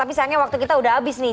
tapi sayangnya waktu kita udah habis nih